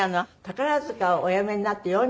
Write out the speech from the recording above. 宝塚をおやめになって４２年。